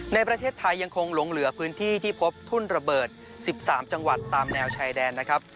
ในประเทศไทยยังคงหลงเหลือพื้นที่ที่พบทุ่นระเบิด๑๓จังหวัดตามแนวชายแดนนะครับ